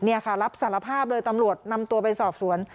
นี่ค่ะรับสารภาพเลยตำรวจนำตัวไปสอบสวน